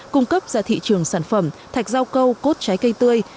cung cấp ra thị trường sản phẩm thạch rau câu cốt trái cây tươi